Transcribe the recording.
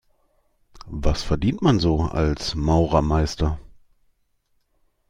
Was verdient man so als Maurermeister?